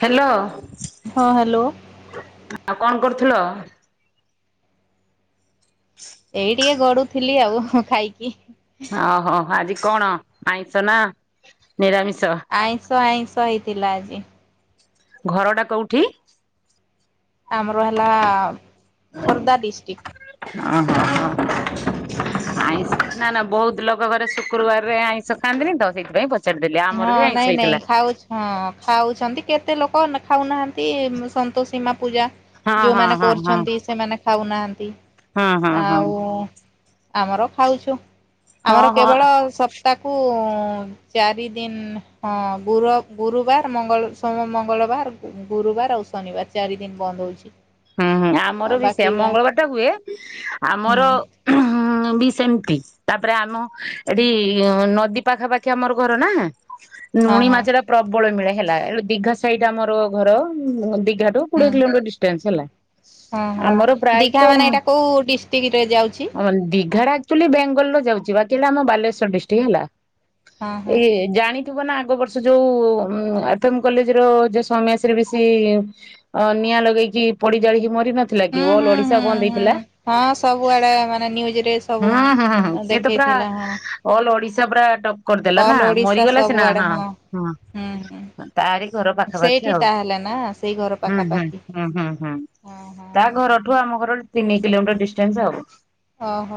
Hello. ହଁ hello. ଆଉ କଣ କରୁଥିଲ? ଏଇ ଟିକେ ଗଡୁଥିଲି ଆଉ ଖାଇକି। ଓହୋ ଆଜି କଣ ଆଇଁଷ ନା ନିରାମିଷ? ଆଇଁଷ ଆଇଁଷହ ହେଇଥିଲା ଆଜି। ଘର ଟା କୋଉଠି? ଆମର ହେଲା ଖୋର୍ଦ୍ଧା ଡିସ୍ଟିକ। ଓ ହୋ ହୁଁ ଆଇ ନା ନା ବହୁତ ଲୋକ ଘରେ ଶୁକ୍ରବାରରେ ଆଇଁଷ ଖାଆନ୍ତିନି ତ ସେଇଥିାଇଁ ପଚାରିଦେଲି ଆମର ହଁ ବି ନାଇଁ ଆଇଁଷ ନାଇଁ ହେଇଥିଲା। ଖାଉଛ ହଁ ଖାଉଛନ୍ତି କେତେ ଲୋକ ଖାଉନାହାନ୍ତି ସନ୍ତୋସୀମା ପୂଜା ହଁ ହଁ ଯୋଉମାନେ ହଁ ହଁ କରୁଛନ୍ତି ସେମାନେ ଖାଉନାହାନ୍ତି। ହଁ ହଁ ହଁ ଆଉ ଆମର ଖାଉଛୁ ଆମର ହଁ ହଁ କେବଳ ସ ତାକୁ ଚାରି ଦିନ ହଁ ଗୁରୁ ଗୁରୁବାର ମଙ୍ଗୋ ମଙ୍ଗଳବାର ଗୁରୁବାର ଆଉ ଶନିବାର। ଚାରି ଦିନ ବନ୍ଦ ହେଉଛି। ହୁଁ ହୁଁ ଆମର ବି ସେଇଆ ମଙ୍ଗଳବାର ଟା ହୁଏ ହୁଁ ଆମର ହୁଁ ବି ସେମିତି ତାପରେ ଆମ ଏଠି ନଦୀ ପାଖାପାଖି ଆମର ଘର ନା? ହଁ ଲୁଣି ହଁ ମାଛ ଟା ପ୍ରବଳ ମିଳେ ହେଲା ଦୀଘା ସାଇଟ୍ ଆମର ଘର ଦୀଘା ଏଠୁ କୋଡ଼ିଏ ହୁଁ କିଲୋମିଟର ଡିଷ୍ଟାନ୍ସ। ହେଲା ହଁ ଆମର ହଁ ଦିଘା ପ୍ରାୟତଃ ମାନେ ଏଇଟା କୋଉ ଡିଷ୍ଟ୍ରିକ୍ଟରେ ଯାଉଛି? ଦୀଘାର ଚୁଲି ବେଙ୍ଗଲୁର ଯାଉଛି ବାକି ହେଲା ଆମ ବାଲେଶ୍ୱର ଡିଷ୍ଟ୍ରିକ ହେଲା ହଁ ହଁ ଏଇ ଜାଣି ନା ଆଗ ବର୍ଷ ଯୋଉ ଏଫ୍ ମ୍ କଲେଜ ର ଯୋଉ ସୌମ୍ୟାଶ୍ରୀ ବେଶି ଅ ନିଆଁ ଲଗେଇକି ପୋଡି ଜଳିକି ମରି ନଥିଲା ହୁଁ କି ହୁଁ ଅଲ ଓଡିଶା ହୁଁ ବନ୍ଦ ହୁଁ ହେଇଥିଲା। ହଁ ସବୁଆଡେ ମାନେ ନିଉଜରେ ସବୁ ହଁ ହଁ ହଁ ସିଏ ତ ପୁରା ଦେଖେଇଥିଲା ହଁ। ଅଲ ଓଡିଶା ପରା ଟପ କରିଦେଲା ନା ଅଲ୍ ଓଡିଶା ମରିଗଲା ସିନା ସବୁଆଡେ ହଁ ହୁଁ ହୁଁ ହଁ ତାରି ଘର ପାଖାପାଖି ସେଇଠି ଆଉ ତାହେଲେ ନା ସେଇ ଘର ହୁଁ ହୁଁ। ପାଖାପାଖି ହୁଁ ହୁଁ ହୁଁ ହଁ ହଁ ତା ଘରଠୁ ଆମ ଘର ତିନି କିଲୋମିଟର ଡିଷ୍ଟାନ୍ସ ଆଉ। ହ ହ।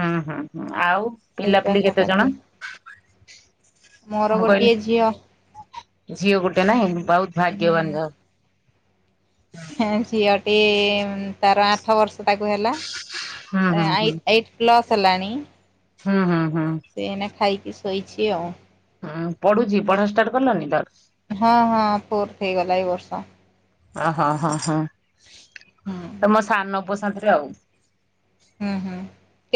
ହୁଁ ହୁଁ ଆଉ ପିଲାପିଲି ପାଖାପାଖି କେତେଜଣ? ମୋର କହିଲି ଗୋଟିଏ ଝିଅ। ଝିଅ ଗୋଟେ ନାଇଁ ବହୁତ ହୁଁ ଭାଗ୍ୟବାନ ଯାହାହେଉ। ହେ ଝିଅଟି ତାର ଆଠ ବର୍ଷ ତାକୁ ହେଲା। ହୁଁ ହୁଁ ହୁଁ। ଆଇଟ୍ ଏଇଟ ପ୍ଲସ ହେଲାଣି। ହୁଁ ହୁଁ ହୁଁ। ସେ ଏଇନା ଖାଇକି ଶୋଇଛି ଆଉ। ହୁଁ ପଢୁଚି ପଢା ଷ୍ଟାର୍ଟ କଲଣି ତାର? ହଁ ହଁ ଫୋର୍ଥ ହେଇଗଲା ଏଇ ବର୍ଷ। ଓ ହୋ ହଁ ହଁ ତ ମୋ ସାନପୁଅ ଶାଥିରେ ଆଉ। ହୁଁ ହୁଁ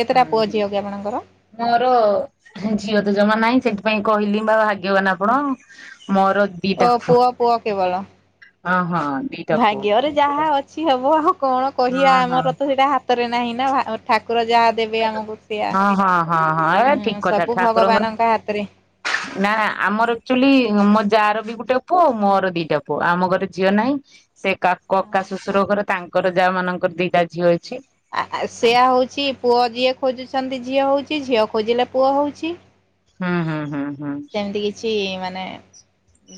କେତେଟା ହୁଁ ପୁଅ ହୁଁ ଝିଅ କି ଆପଣଙ୍କର? ମୋର ଝିଅ ତ ଜମା ନାହିଁ ସେଥିପାଇଁ କହିଲି ବା ଭାଗ୍ୟବାନ ଆପଣ। ମୋର ଓ ପୁଅ ପୁଅ କେବଳ ହଁ ହଁ ଦିଟା ପୁଅ। ଭାଗ୍ୟରେ ଯାହା ଅଛି। କିଛି ହବ ଆଉ କଣ ହଁ କହିବା ହଁ ହଁ ଆମର ତ ସେଇଟା ହାତରେ ନାହିଁ ନା ଠାକୁର ଯାହା ଦେବେ ଆମକୁ ସେଇଆ। ହଁ ହଁ ହଁ ଏ ଠିକ ହୁଁ କଥା ସବୁ ଠାକୁରଙ୍କର ଭଗବାନଙ୍କ ହାତରେ। ନା ଆମର ଆକ୍ଚୁଆଲି ମୋ ଯା ର ବି ଗୋଟେ ପୁଅ ଆଉ ମୋର ଦିଟା ପୁଅ ଆମ ଘରେ ଝିଅ ନାହିଁ। ସେ କା କକା ଶ୍ୱଶୁର ଘରେ ତାଙ୍କର ଯା ମାନଙ୍କର ଦିଟା ଝିଅ ହେଇଛି। ଆ ସେଇଆ ହୋଉଛି ପୁଅ ଯିଏ ଖୋଜୁଛନ୍ତି ଝିଅ ହେଉଛି ଝିଅ ଖୋଜିଲେ ପୁଅ ହେଉଛି। ହୁଁ ହୁଁ ହୁଁ। ସେମିତି କିଛି ମାନେ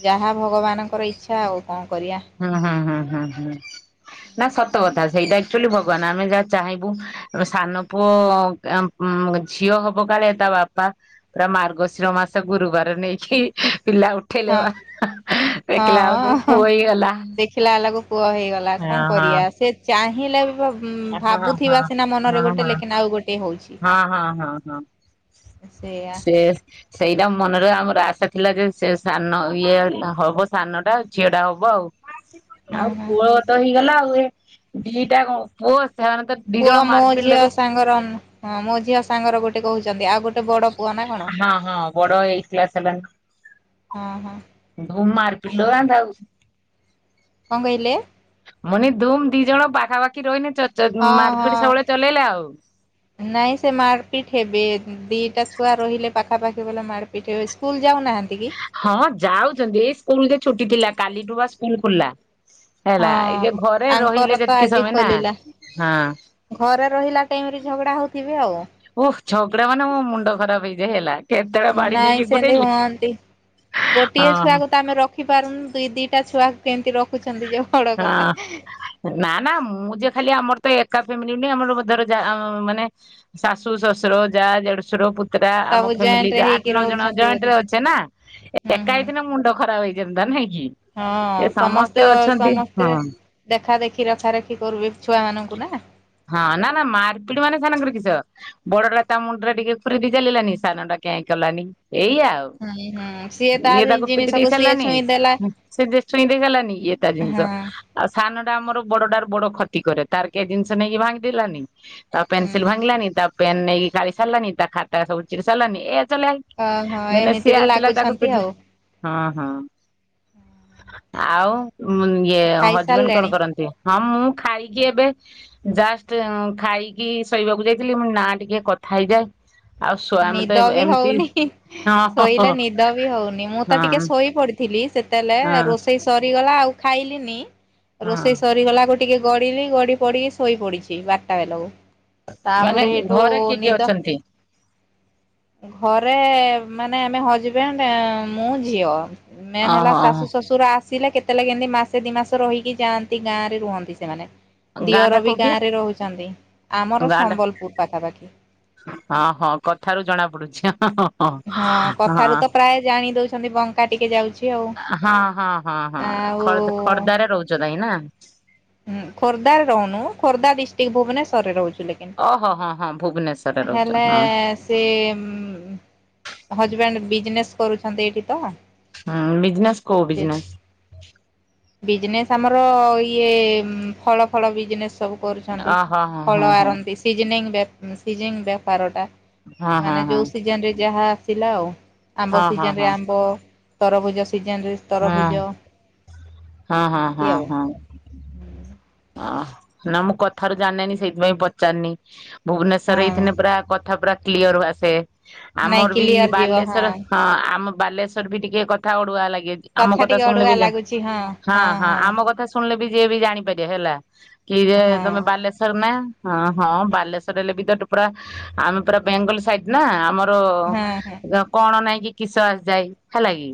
ଯାହା ଭଗବାନଙ୍କର ଇଚ୍ଛା ଆଉ କଣ କରିବା। ହୁଁ ହୁଁ ହୁଁ ହୁଁ ହୁଁ ନା ସତ କଥା ସେଇଟା ଆକ୍ଚୁଆଲି ଭଗବାନ ଆମେ ଯାହା ଚାହିଁବୁ ସାନ ପୁଅ ଉ ମ ଝିଅ ହବ କଳେ ତା ବାପା ପୁରା ମାର୍ଗଶିର ମାସ ଗୁରୁବାର ନେଇକି ପିଲା ଉଠ ଠେଇଲେ ହଁ ହଁ ଦେଖିଲାବେଳକୁ ପୁଅ ଏଇ ଦେଖିଲା ବେଳକୁ ପୁଅ ହେଇଗଲା କଣ ହଁ ହଁ କରିବା ସେ ଚାହିଁଲେ ବି ଭ ହୁଁ ହଁ ହଁ। ଭାବୁଥିବା ସିନା ମନରେ ହଁ ଗୋଟେ ହଁ ଲେକିନ ଆଉ ଗୋଟେ ହଉଛି। ହଁ ହଁ ହଁ ହଁ ସେଇଆ ସେ ସେଇଟା ମନରେ ଆମର ଆଶା ଥିଲା ଯେ ସେ ସାନ ଇଏ ହବ ସାନଟା ଝିଅଟା ହବ ଆଉ। ହଁ ଆଉ ହଁ ପୁଅ ତ ହେଇଗଲା ଆଉ ଏ ଦିଟା କଣ ପୁଅ ସେମାନେ ତ ଦି ଜଣ ପୁଅ ମୋ ମାରପିଟ ଝିଅ ଲାଗି ସାଙ୍ଗର ହଁ ମୋ ଝିଅ ସାଙ୍ଗର ଗୋଟେ କହୁଛନ୍ତି ଆଉ ଗୋଟେ ବଡ ପୁଅ ନା କଣ ହଁ ହଁ ବଡ ଏଇଟ୍ କ୍ଲାସ ହେଲାଣି। ହଁ ଧୁ ମାର ପିଲଉ [unintelligible] କଣ କହିଲେ? ମାନେ ଧୂମ ଦି ଜଣ ପାଖାପାଖି ରହିଲେ ଚ ଚ ହଁ ମାରିପିଟ ହଁ ସବୁବେଳେ ଚଲେଇଲେ ଆଉ। ନାଇଁ ସେ ମାରପିଟ ହେବେ ଦିଟା ଛୁଆ ରହିଲେ ପାଖାପାଖି ବଲା ମାରପିଟ ହେବେ ସ୍କୁଲ ଯାଉନାହାନ୍ତି କି? ହଁ ଯାଉଛନ୍ତି ଏଇ ସ୍କୁଲ ଯେ ଛୁଟି ଥିଲା କାଲିଠୁ ବା ସ୍କୁଲ ଖୋଲିଲା। ହେଲା ଏ ଯେ ହଁ ଘରେ ଆଙ୍କର ରହିଲେ ତ ଯେତିକି ଆଜି ସମୟ ନା ଖୋଲିଲା ହଁ ଘରେ ରହିଲା ଟାଇମ ରେ ଝଗଡା ହୋଉଥିବେ ଆଉ। ଓ ଝଗଡା ମାନେ ମୋ ମୁଣ୍ଡ ଖରାପ ହେଇଯାଇ ହେଲା। କେତେବେଳେ ବାଡି ନାଇଁ ନେଇକି ସେମିତି ଗୁଡେଇଲି ହୁଅନ୍ତି ଗୋଟିଏ ହଁ ଛୁଆକୁ ତ ଆମେ ରଖି ରଖିପାରୁନି ଦୁଇ ଦିଟା ଛୁଆକୁ କେମିତି ରଖୁଛନ୍ତି ଯୋଉ ହଁ। ନା ନା ମୁଁ ଯେ ଖାଲି ଆମର ତ ଏକା ଫ୍ୟାମିଲି ନୁହେଁ ଆମର ଧ ଯା ମାନେ ଶାଶୁ ଶଶୁର ଯା ଦେଢଶୁର ପୁତ ସେତଟା ସବୁ ଆମ ଜଏଣ୍ଟ ରେ ଫ୍ୟାମିଲିରେ ଆଠ ହେଇକି ନଅ ଜଣ ରହୁଛନ୍ତି ଜଏଣ୍ଟ ବୋଧେ ରେ ଅଛେ ନା ହୁଁ ଏକା ହୁଁ ହେଇଥିନେ ମୁଣ୍ଡ ଖରାପ ହେଇ ଜେମତା ନୁହଁ କି। ହଁ ଏ ସମସ୍ତେ ଅଛନ୍ତି ସମସ୍ତେ। ହଁ ଦେଖା ଦେଖି ରଖାରଖି କରିବି ଛୁଆମାନଙ୍କୁ ନା। ହଁ ନା ନା ମାରପିଡି ମାନେ ସୋମନଙ୍କର କିସ। ବଡ ଟା ତା ମୁଣ୍ଡ ଟା ଟିକେ ଫୁରିଦ ଚାଲିଲାନି ସାନ ଟା କେଁ କଲାନି ଏଇ ଆଉ। ହୁଁ ହୁଁ ସିଏ ତା ଇଏ ତାକୁ ପିଟି ଦେଇ ଜିନିଷକୁ ସିଏ ସାରିଲାନି ଛୁଇଁ ଦେଲା ସେ ଦେ ଛୁଇଁ ଦେଇ ସାରିଲାନି ଇଏ ତା ହଁ। ଜିନିଷ ଆଉ ସାନ ଟା ଆମର ବଡଟାରୁ ବଡ ଖଟି କରେ ତାର କେହି ଜିନିଷ ନେଇକି ଭାଙ୍ଗିଦେଲାନି ତା ହୁଁ ପେନସିଲ ହୁଁ ଭାଙ୍ଗିଲାନି ତା ପେନ୍ ନେଇକି କାଳି ସାରିଲାନି ତା ଖାତା ସବୁ ଚିରି ସାରିଲାନି ଏ ଚଲେ ଆଇ। ଓହୋ ମାନେ ସିଏ ଏମିତିରେ ଆସିଲା ତାକୁ ଲାଗୁଛନ୍ତି ପିଟ୍ ଲା ଆଉ ହଁ ହଁ ଆଉ ଇଏ ହଜବେଣ୍ଡ ଖାଇସାରିଲେଣି? କଣ କରନ୍ତି। ହଁ ମୁଁ ଖାଇକି ଏବେ ଜାଷ୍ଟ ଖାଇକି ଶୋଇବାକୁ ଯାଇଥିଲି ମୁଁ ନା ଟିକେ କଥା ହେଇଯାଏ। ଆଉ ସ୍ଵାମୀ ତ ନିଦ ଏବେ ବି ଏମିତି ହଉନି ହଁ ହଁ ଶୋଇଲେ ହଁ ନିଦ ବି ହଉନି ମୁଁ ତ ଟିକେ ହଁ ଶୋଇ ପଡି ଥିଲି ସେତେଲେ ହଁ। ରୋଷେଇ ସରିଗଲା ଆଉ ଖାଇଲିିନି ହଁ ରୋଷେଇ ସରିଗଲା ଗୋଟ ଟିକେ ଗଡିଲି ଗଡି ପଡିକି ଶୋଇ ପଡିଛି ବାରଟା ବେଲକୁ। ମାନେ ତାପରେ ହେଠୁ ଘରେ କିଏ କିଏ ନିଦ ଅଛନ୍ତି? ଘରେ ମାନେ ଆମେ ହଜବେଣ୍ଡ ମୁଁ ଝିଅ ମେନ୍ ହେଲା ଓହୋ ଶାଶୁ ଓହୋ। ଶଶୁର ଶଶୁର ଆସିଲେ କେତେ ଲାଗି ଏମ୍ ତି ମାସେ ଦି ମାସ ରହିକି ଯାଆନ୍ତି ଗାଁ ରେ ରୁହନ୍ତି ସେମାନେ। ଗାଁ ଟା ଦିଅର ବି କୋଉଠି? ଗାଁରେ ରହୁଛନ୍ତି ଆମର ଗାଁ ଟା ସମ୍ବଲପୁର ପାଖାପାଖି। ହଁ ହଁ କଥାରୁ ଜଣା ପଡୁଛି ହଁ ହଁ ହଁ ହଁ କଥାରୁ ତ ହଁ। ପ୍ରାୟ ଜାଣି ଦଉଛନ୍ତି ବଙ୍କା ଟିକେ ଯାଉଛି ଆଉ ହଁ ହଁ ହଁ ହଁ ଆଉ ଖୋର୍ଦ୍ଧା ଖୋର୍ଦ୍ଧାରେ ରହୁଛ ନାଇଁ ନା। ହୁଁ ଖୋର୍ଦ୍ଧାରେ ରହୁନୁ ଖୋର୍ଦ୍ଧା ଡିଷ୍ଟ୍ରିକ୍ ଭୁବନେଶ୍ୱରରେ ରହୁଛୁ ଲେ ଓହୋ ହଁ ହଁ ଭୁବନେଶ୍ୱରରେ ରହୁଛ ହଁ। ସେ ହଜବେଣ୍ଡ ବିଜନେସ୍ କରୁଛନ୍ତି ଏଇଠି ତ। ହୁଁ ବିଜନେସ୍ କୋଉ ସେ ବିଜନେସ୍। ବିଜନେସ୍ ଆମର ଇଏ ଫଳ ଫଳ ବିଜନେସ୍। ସବୁ କରୁଛନ୍ତି ଅ ହ ଫଳ ହଁ ଆରନ୍ତି। ସିଜନିଙ୍ଗ୍ ବେ ସିଜଙ୍ଗ୍ ବେପାରଟା ହଁ ହଁ ମାନେ ଯେଉଁ ହଁ ସିଜନ୍‌ରେ ଯାହା ସିଲା ଆଉ ଆମ୍ବ ହଁ ହଁ ହଁ ହଁ ସିଜନରେ ହଁ ଆମ୍ବ ତରଭୁଜ ସିଜନରେ ହୁଁ ତରଭୁଜ ହୁଁ ଏମିତି ହୁଁ ଆଉ। ହୁଁ ହୁଁ। ଅ ନା ମୁଁ କଥାରୁ ଜାଣେନି ସେଇଥି ପାଇଁ ପଚାରିନି। ଭୁବନେଶ୍ୱର ହଁ ଏଇଥିିନ ପୁରା କଥା ପୁରା କ୍ଲିୟର ଆସେ। ନାଇଁ ଆମର ବି କ୍ଲିୟର ଯିବ ବାଲେଶ୍ୱର ହଁ ଆମ ବାଲେଶ୍ଵର ବି ଟିକେ କଥା ଅଡୁଆ ଲାଗେ। ଆମ କଥା ଶୁଣିଲେ ବି ଯା ହଁ ହଁ ଆମ କଥା ଶୁ ଶୁଣିଲେ ବି ଯିଏ ବି ଜାଣିପାରିବେ ହେଲା କି ରେ ହଁ ତମେ ବାଲେଶ୍ଵର ନା। ହଁ ହଁ ବାଲେଶ୍ଵର ହେଲେ ବି ତ ତୁ ପୁରା ଆମେ ପୁରା ବେଙ୍ଗଲ ସାଇଡ ନା ଆମର। ହଁ ହଁ। ର କଣ ନାଇଁ କି କିସ ଆସିଯାଏ ହେଲା କି।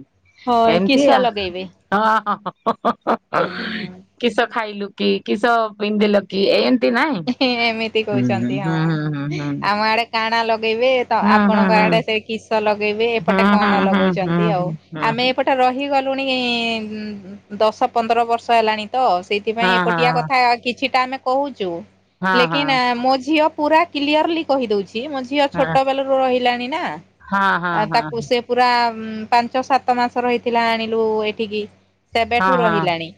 ହଁ କିସ ଏମତିଆ ଲଗେଇବେ? ହ ହ ହ ହ ହ ହୁଁ କିସ ଖାଇଲୁ କି କିସ ପିନ୍ଧିଲ କି ଏମତି ନାଇଁଁ ଏମିତି ହୁଁ ହୁଁ କହୁଛନ୍ତି ହୁଁ ହଁ। ହୁଁ ହୁଁ ହୁଁ। ଆମ ଆଡେ କାଣା ଲଗେଇବେ? ତ ଆପଣଙ୍କ ଆଡେ ସେ କିସ ଲଗେଇବେ ହୁଁ ହୁଁ। ହୁଁ ଏପଟେ ହୁଁ କଣ ହୁଁ ହୁଁ ହୁଁ ହୁଁ ହୁଁ ଲଗୋଉଚନ୍ତି ଆଉ ଆମେ ଏପଟେ ସେଟେ ରହିଗଲୁଣି ଦଶ ପନ୍ଦର ବର୍ଷ ହେଲାଣି। ତ ସେଇ ଥିପାଇଁ ହୁଁ ଏପଟିଆ କଥା କିଛିଟା ଆମେ କହୁଚୁ ହୁଁ ହଁ ହଁ। ଲେକିନ ମୋ ଝିଅ ପୁରା କ୍ଲିଅରଲି କହିଦଉଛି ମୋ ଝିଅ ଛୋଟ ବେଳୁ ରୁ ରହିଲାଣି ନା ହଁ ହଁ ଆ ହଁ ହଁ ହଁ ହଁ ହଁ ହଁ। ତାକୁ ସେ ପୁରା ପାଞ୍ଚ ସାତ ମାସର ହେଇଥିଲା ଆଣିଲୁ ଏଠିକି। ହଁ ସେବେଠୁ ରହିଲାଣି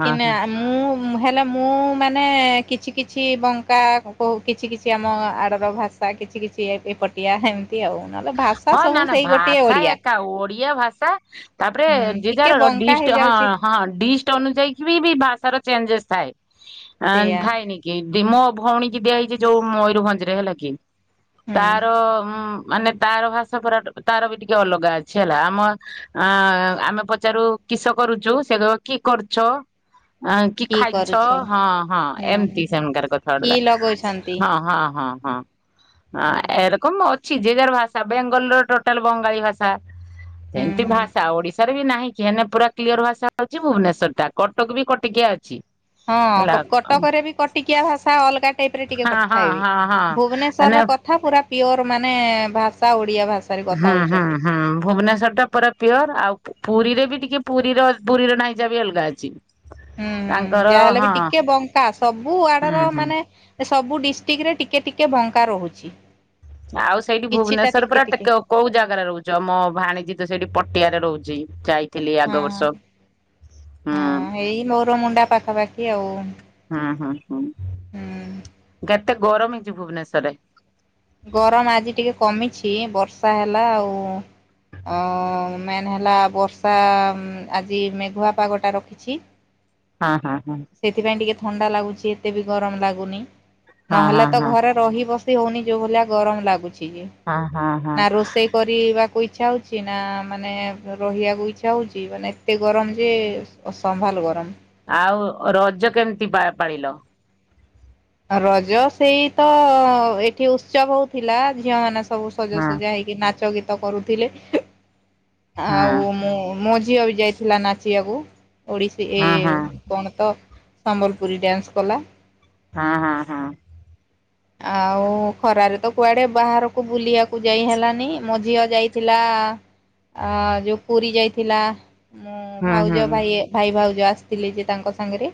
ହଁ ହଁ ମୁଁ ହେଲେ ମୁଁ ମାନେ କିଛି କିଛି କିଛି ବଙ୍କା କୋ କିଛି କିଛି ଆମ ଆଡ଼ର ଭାଷା କିଛି କିଛି ଏପଟ ଓଡିଆ ହେମତି ଆଉ ନହେଲେ ଭା ହଁ ନା ନା ଭାଷା ଏକା ଓଡିଆ ଭାଷା ତାପରେ ହୁଁ ଯିଏ ଟିକେ ଯାର ବଙ୍କା ଡିଷ୍ଟ ହଁ ହେଇଯାଉଛି ହଁ ଡିଷ୍ଟ ଅନୁଯାୟୀ ବି ବି ଭାଷାର ଚେଞ୍ଜେସ୍ ଥାଏ ସେଇଆ ଥାଏନି। କିବେ ମୋ ଭଉଣୀ କି ଦିଆ ହେଇଛି ଯୋଉ ମୟୂରଭଞ୍ଜ ରେ ହେଲା କି ହୁଁ। ତାର ଉଁ ମାନେ ତାର ଭାଷା ପୁରା ତାର ବି ଟିକେ ଅଲଗା ଅଛି ହେଲା ଆମ ଅ ଆମେ ପଚାରୁ କିସ କରୁଚୁ, ସେ କହିବ କି କରୁଛ। ଆଁ କି ଖାଇଚ, କରୁଛ ହୁଁ ହଁ ହଁ ଏମତି ସେମାନଙ୍କ କି କଥାବର୍ତ୍ତା। ଲଗଉଛନ୍ତି? ହଁ ହଁ ହଁ ହଁ। ହ ହୁଁ ଏରକମ ଅଛି। ଯେ ଯାର ଭାଷା ବେଙ୍ଗଲର ଟୋଟାଲ ବଙ୍ଗାଳୀ ଭାଷା। ହୁଁ ସେମିତି ହୁଁ। ଭାଷା ଓଡିଶା ବି ନାହିଁ କିି ହେନେ ପୁରା କ୍ଲିଅର ଭାଷା ହଉଚି ଭୁବନେଶ୍ୱର ଟା। କଟକ ବି କଟକିଆ ଅଛି। ହେଲା ହଁ ହଁ କଟକରେ ବି କଟିକିଆ ଭାଷା ଅଲଗା। ଟାଇପ ରେ ଟିକେ ହଁ କଥା ହେବି ହଁ ହଁ ଭୁବନେଶ୍ଵର ର ମାନେ କଥା ପୁରା ପିଓର ମାନେ ଭାଷା ଓଡିଆ ଭାଷା। ହଁ ହଁ ହଁ ଭୁବନେଶ୍ଵର ଟା ପୁରା ପିଓର ଆଉ ପୁରୀରେ ବି ଟିକେ ପୁରୀର ପୁରୀର ଢାଇଁଚା ବି ଅଲଗା ଅଛି। ହୁଁ ହୁଁ ତାଙ୍କର ଯାହାହେଲେ ହଁ ବି ଟିକେ ବଙ୍କା ସବୁ ହୁଁ ଆଡର ହୁଁ ମାନେ ଏ ସବୁ ଡିଷ୍ଟ୍ରିକ୍ଟ ରେ ଟିକେ ଟିକେ ବଙ୍କା ରହୁଚି। ଆଉ ସେଇଠି ଭୁବନେଶ୍ଵର ପୁରା ଟିକେ କୋଉ ଜାଗାରେ ରହୁଚ? ଆମ ଭାଣିଜୀ ତ ସେଇଠି ପଟିଆରେ ରହୁଚି। ଯାଇ ହଁ ହୁଁ ହଁ ହଁ ଏଇ ମୋର ମୁଣ୍ଡା ପାଖାପାଖି ଆଉ। ହୁଁ ହୁଁ ହୁଁ କେତେ ଗରମ ହେଇଚି ଭୁବନେଶ୍ୱର ରେ। ଗରମ ଆଜି ଟିକେ କମିଚି ବର୍ଷା ହେଲା ଆଉ। ଅ ମେନ୍ ହେଲା ବର୍ଷା ଆଜି ମେଘୁଆ ପାଗଟା ରଖ ଛି। ଅ ହଁ ହଁ। ସେଥିପାଇଁ ଟିକେ ଥଣ୍ଡା ଲାଗୁଚି ଏତେ ବି ଗରମ ଲାଗୁନି। ହଁ ହଁ ନହେଲେ ହଁ ତ ହଁ ଘରେ ରହି ବସି ହଉନି। ଯୋଉ ଭଳିଆ ଗରମ ଲାଗୁଚି ଯେ। ହଁ ହଁ ହଁ। ନା ରୋଷେଇ କରିବାକୁ ଇଚ୍ଛା ହଉଚି ନା ମାନେ ରହିବାକୁ ଇଚ୍ଛା ହଉଚି ମାନେ ଏତେ ଗରମ ଯେ ଅସମ୍ଭାଲ ଗରମ। ଆଉ ରଜ କେମିତି ପା ପାଳିଲ? ରଜ ସେଇ ତ ଏଠି ଉତ୍ସବ ହୋଉ ଥିଲା ଝିଅ ମାନେ ସବୁ ହଁ ସଜାସଜା ହେଇ କି ନାଚ ଗୀତ କରୁଥିଲେ। ହଁ ଆଉ ମୁଁ ମୋ ଝିଅ ବି ଯାଇି ଥିଲା ନାଚିବାକୁ। ଓଡ଼ିଶୀ ଏ ହଁ ହଁ କଣ ତ ସମ୍ବଲପୁରୀ ଡ୍ୟାନ୍ସ କଲା। ହଁ ହଁ ହଁ। ଆଉ ଖରାରେ ତ କୁଆଡେ ବାହାରକୁ ବୁଲିବାକୁ ଯାଇ ହେଲାନି। ମୋ ଝିଅ ଯାଇଥିଲା ଆ ଯୋଉ ପୁରୀ ଯାଇଥିଲା। ମୁଁ ହୁଁ ହୁଁ ଭାଉଜ ଭାଇ ଭାଇ ଭାଉଜ ଆସିଥିଲେ ଯେ ତାଙ୍କ ସାଙ୍ଗରେ।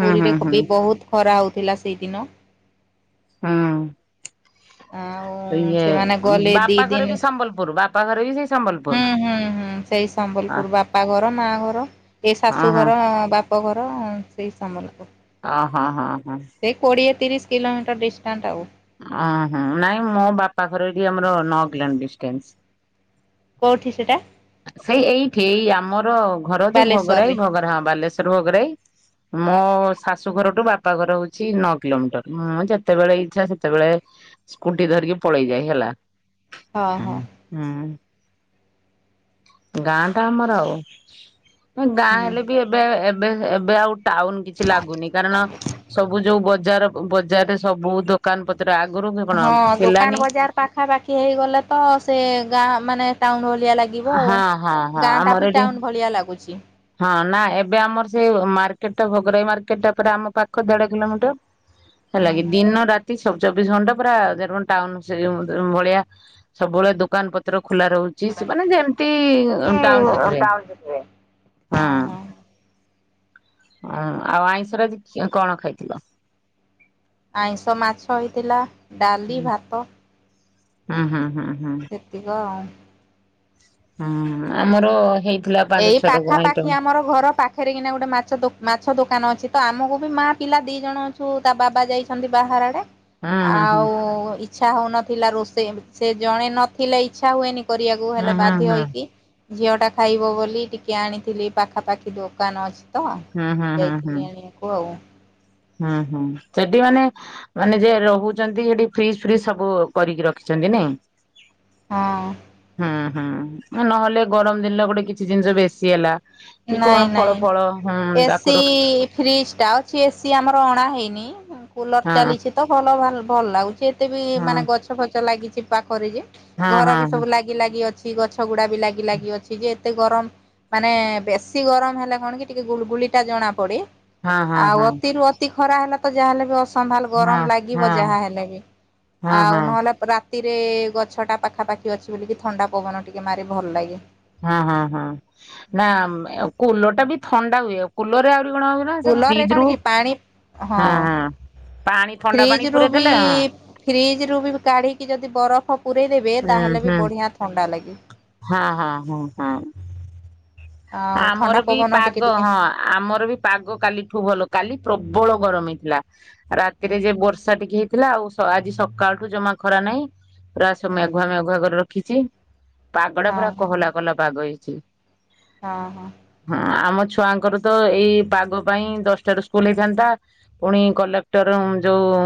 ହୁଁ ହୁଁ ପୁରୀରେ ହୁଁ କବି ବହୁତ ଖରା ହଉଥିଲା ସେଇଦିନ। ହୁଁ। ଆଉ ଇଏ ସେମାନେ ଗଲେ ଦି ବାପା ଦିନ ଘରେ ବି ସମ୍ବଲପୁର। ବାପା ଘରେ ବି ସେଇ ସମ୍ବଲପୁର। ହୁଁ ହୁଁ ହୁଁ ସେଇ ଅ ସମ୍ବଲପୁର ବାପା ଘର ମା ଘର ଏ ହଁ ହଁ ଶାଶୁଘର ବା ପଘର ସେଇ ସମ୍ବଲପୁର। ଓ ହଁ ହଁ ହଁ। ସେ କୋଡ଼ିଏ ତିରିଶ କିଲୋମିଟର ଡିଷ୍ଟାନ୍ସ ଆଉ। ଓ ହ ନାଇଁ ମୋ ବାପା ଘର ବି ଆମର ନଅ କିଲୋ ମିଟର ଡିଷ୍ଟାନ୍ସ। କୋଉଠି ସେଟା? ସେଇ ଏଇଠି ଆମର ଘର ଯୋଉ ବାଲେଶ୍ଵରରେ ଭୋଗରାଇ ଭୋଗରା ହ ବାଲେଶ୍ଵର ଭୋଗରାଇ। ମୋ ଶାଶୁଘରଠୁ ବାପା ଘର ହଉଚି ନଅ କିଲୋମିଟର ମୁଁ ଯେତେବେଳେ ଇଚଛା ସେତେବେଳେ ସ୍କୁଟି ଧରିକି ପଳେଇ ଯାଏ ହେଲା। ହଁ ହଁ ହୁଁ ଗାଁ ଟା ଆମର ଆଉ। ଗାଁ ହେଲେ ବି ଏବେ ଏବେ ଏବେ ଆଉ ଟାଉନ କିଛି ଲାଗୁନି କାରଣ ହୁଁ ସବୁ ଯୋଉ ବଜାର ବଜାରରେ ସବୁ ଦୋକାନ ପତ୍ର ଆଗରୁ କି କଣ ଥିଲାନି। ପାଖା ପାାଖି ହେଇଗଲେ ତ ସେ ଗାଁ ମାନେ ଟାଉନ ଭଳିଆ ଲାଗି ଲାଗିବ ଆଉ। ହଁ ହଁ ହଁ ଗାଁ ଟା ଆମର ବି ଏଠି ଟାଉନ ଭଳିଆ ଲାଗୁଚି। ହଁ ନା ଏବେ ଆମର ସେଇ ମାର୍କେଟ ଟା ଭୋଗରାଇ ମାର୍କେଟ ଟା ପୁରା ଆମ ପାଖ ଦେଢ କିଲୋମିଟର। ହୁଁ ହେଲା କି ହୁଁ। ଦିନ ରାତି ସ ଚବିଶ ଘଣ୍ଟା ପୁରା ଯେରୁନ୍ ଟାଉନ ସେଇ ଯେଉଁ ଉଁ ଭଳିଆ। ସବୁବେଳେ ଦୋକାନ ପତ୍ର ଖୋଲା ରହୁଚି ସେ ମାନେ ଯେମତି ଟାଉନ ସିଟିରେ। [unintelligible] କୁହ। ହଁ। ହଁ ଆଉ ଆଇଁଷରେ ଆଜି ଅଁ କଣ ଖାଇଥିଲ? ଆଇଁଷ ମାଛ ହେଇଥିଲା ଡାଲି ଭାତ। ହଁ ହଁ ହଁ ହଁ। ସେତିକ ଆଉ। ହଁ ଆମର ହେଇଥିଲା ପାଞ୍ଚ ଏଇ ଛଅ ରକମ ଆଇଟମ ପାଖାପାଖି ଆମର ଘର ପାଖେରେ କିନା ଗୋଟେ ମାଛ ଦୋ ମାଛ ଦୋକାନ ଅଛି ତ ଆମକୁ ବି ମାଆ ପିଲା ଦି ଜଣ ଅ ଛୁ ତା ବାବା ଯାଇଛନ୍ତି ବାହାର ଆଡେ। ହଁ ଆଉ ଇଚ୍ଛା ହଉ ନଥିଲା ରୋଷେଇ ସେ ଜଣେ ନଥିଲେ ଇଚ୍ଛା ହୁଏନି। କରିଆକୁ ହେଲେ ହଁ ବାଧ୍ୟ ହଁ। ହେଇକି ଝିଅ ଟା ଖାଇବ ବୋ ଲି ଟିକେ ଆଣିଥିଲି ପାଖାପାଖି ଦୋକାନ ଅଛି ତ ହୁଁ ହୁଁ ହୁଁ ହୁଁ ହୁଁ ହୁଁ ହୁଁ ଯାଇଥିଲି ଆଣିଆକୁ ଆଉ। ହୁଁ ହୁଁ ସେଟି ମାନେ ମାନେ ଯିଏ ରହୁଚନ୍ତି ସେଠି ଫ୍ରିଜ ଫ୍ରିଜ ସବୁ କରିକି ରଖିଚନ୍ତି ନାଇଁ? ହଁ। ହୁଁ ହୁଁ ନହେଲେ ଗରମ ଦିନରେ ଗୋଟେ କିଛି ଜିନିଷ ବେଶୀ ହେଲା କି ନାଇଁ କଣ ଫଳ ନାଇଁ ଫଳ ହୁଁ ତାକୁ ଏସି ରଖ ଫ୍ରିଜ ଟା ଅଛି ଏ ସିି ଆମର ଅଣା ହେଇନି ଉଁ କୁଲର ହଁ ଚାଲିଛି ତ ଭଲ ଭାଲ ଭଲ ଲାଗୁଚି। ଏତେ ବି ହଁ ମାନେ ଗଛ ଫଛ ଲାଗିଛି ପାଖରେ ଯେ ହଁ ଘର ବି ସବୁ ହଁ ଲାଗି ଲାଗି ଅଛି ଗଛ ଗୁଡା ବି ଲାଗି ଲାଗି ଅଛି ଯେ ଏତେ ଗରମ ମାନେ ବେଶୀ ଗରମ ହେଲା କଣ କି ଟିକେ ଗୁଳଗୁଳି ଟା ଜଣା ପଡି ହଁ ଆଉ ହଁ ଅତିରୁ ଅ ତି ଖରା ହେଲା ତ ଯାହା ହେଲେ ବି ଅସମ୍ଭାଲ ହଁ ହଁ ଗରମ ହଁ ଲାଗିବ ଯାହା ହେଲେ ବି ହଁ ଆଉ ହଁ। ନହେଲେ ରା ତିରେ ଗଛଟା ପାଖା ପାଖି ଅଛି ବୋଲିକି ଥଣ୍ଡା ପବନ ଟିକେ ମାରେ ଭଲ ଲାଗେ। ହଁ ହଁ ହଁ ନା କୁଲରଟା ବି ଥଣ୍ଡା ହୁଏ କୁଲରେ ଆଉ ସେ କଣ ହଉଚି ନା ସେ କୁଲର ରେ ଫ୍ରିଜ କଣ ରୁ କି ପାଣି ହଁ ହଁ। ପାଣି ଥଣ୍ଡା ଫ୍ରିଜ ପାଣି ରୁ ପୁରେଇ ବି ଦେଲେ ହଁ। ଫ୍ରିଜ ରୁ ବି କାଢିକି ଯଦି ବରଫ ପୁରେଇ ଦେବେ ହୁଁ ତାହେଲେ ବି ହୁଁ ବଢିଆ ଥଣ୍ଡା ଲାଗେ। ହଁ ହଁ ହୁଁ ହଁ। ଆଉ ଥଣ୍ଡା ଆମର ବି ପବନ ଟିକେ ପାଗ ଟିକେ ହଁ। ଆମର ବି ପାଗ କାଲିଠୁ ଭଲ କାଲି ପ୍ରବଳ ଗରମ ହେଇଥିଲା। ହୁଁ ରାତିରେ ଯେ ବର୍ଷା ଟିକେ ହେଇଥିଲା ଆଉ ସ ଆଜି ସକାଳଠୁ ଜମା ଖରା ନାହିଁ। ପୁରା ସ ହୁଁ ମେଘୁଆ ମେଘୁଆ କରି ରଖିଚି ପାଗଡା ହଁ ପୁରା ହଁ କୋହଲା କୋହଲା ପାଗ ହେଇଛି। ହଁ ହଁ। ହଁ ଆମ ଛୁଆଙ୍କର ତ ଏଇ ପାଗ ପାଇଁ ଦଶଟାରୁ ସ୍କୁଲ ହେଇଥାନ୍ତା। ପୁଣି କଲେକ୍ଟର ଉଁ ଯୋଉ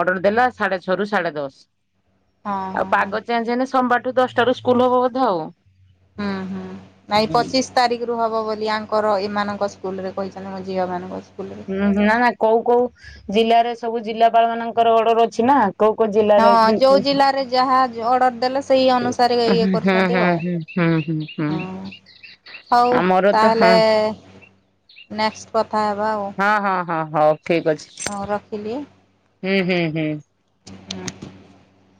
ଅର୍ଡର ଦେଲା ସାଡେ ଛଅ ରୁ ସାଡେ ଦଶ। ହଁ ହଁ ଆଉ ହଁ ପାଗ ଚେଞ୍ଜ ହେଲେ ସୋମବାରଠୁ ଦଶଟା ରୁ ସ୍କୁଲ ହବ ବୋଧେ ଆଉ। ହୁଁ ହୁଁ ନାଇଁ ପଚିଶ ତାରିଖରୁ ହବ ବୋଲି ଆଙ୍କର ଏମାନଙ୍କ ସ୍କୁଲରେ କହିଛନ୍ତି ମୋ ଝିଅମାନଙ୍କ ସ୍କୁଲରେ। ହୁଁ ହୁଁ ନା ନା କୋଉ କୋଉ ଜିଲ୍ଲା ରେ ସବୁ ଜିଲ୍ଲାପାଳ ମାନଙ୍କର ଅର୍ଡର ଅଛି ନା। କୋଉ କୋଉ ଜିଲ୍ଲାରେ ହଁ ଜି ଯୋଉ ଉଁ ଜିଲ୍ଲାରେ ଯାହା ଜ ଅର୍ଡର ଦେଲେ ସେଇ ଅନୁସାରେ ଇଏ ଇଏ ହୁଁ କରୁଛନ୍ତି ହୁଁ ଆଉ ହୁଁ ହୁଁ ହୁଁ ହଁ। ହଉ ଆମର ତ ତାହେଲେ ହଁ ନେକ୍ସ୍ଟ୍ କଥା ହେବା ଆଉ। ହଁ ହଁ ହଁ ହଉ ଠିକ୍ ଅଛି। ହଉ ରଖିଲି। ହୁଁ ହୁଁ ହୁଁ। ହଁ।